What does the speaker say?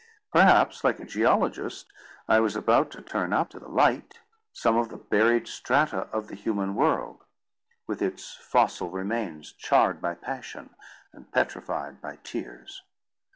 Perhaps, like a geologist, I was about to turn up to the light some of the buried strata of the human world, with its fossil remains charred by passion and petrified by tears.